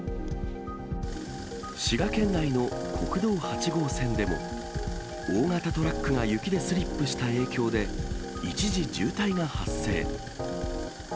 滋賀県内の国道８号線でも、大型トラックが雪でスリップした影響で、一時渋滞が発生。